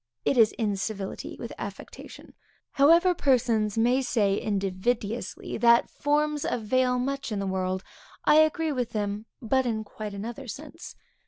It is incivility with affectation. However persons may say invidiously that forms avail much in the world, I agree with them, but in quite another sense.